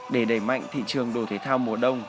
để đẩy mạnh thị trường đồ thể thao mùa đông